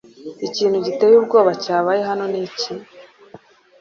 Ikintu giteye ubwoba cyabaye hano niki?